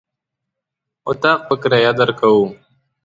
اطاق په کرايه درکوو.